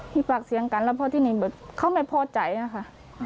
มีปากเสียงกันแล้วพอที่นี่เขาไม่พอใจนะคะ